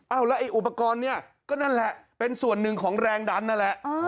เอาแล้วไอ้อุปกรณ์เนี่ยก็นั่นแหละเป็นส่วนหนึ่งของแรงดันนั่นแหละ